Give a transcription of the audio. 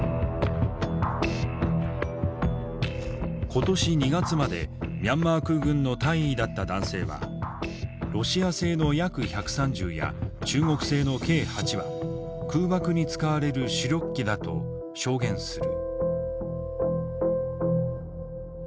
今年２月までミャンマー空軍の大尉だった男性はロシア製のＹａｋ−１３０や中国製のＫ−８は空爆に使われる主力機だと証言する。